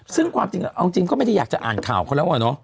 ซึ่งความจริงเอาจริงก็ไม่ได้อยากจะอ่านข่าวเขาแล้วอะเนาะ